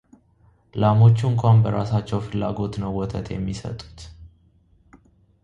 ላሞቹ እንኳን በራሳቸው ፍላጎት ነው ወተት የሚሰጡት፡፡